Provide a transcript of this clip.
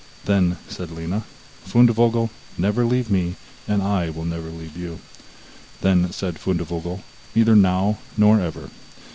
Then said Lina: 'Fundevogel, never leave me, and I will never leave you.' Then said Fundevogel: 'Neither now, nor ever.